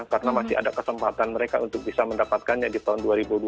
karena masih ada kesempatan mereka untuk bisa mendapatkannya di tahun dua ribu dua puluh empat